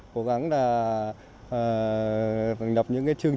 cố gắng là nhập những trường